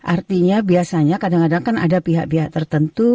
artinya biasanya kadang kadang kan ada pihak pihak tertentu